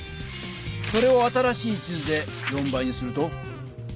それを新しい地図で４倍にすると？